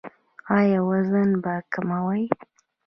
ایا وزن به کموئ؟